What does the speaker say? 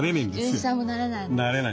純一さんもなれない？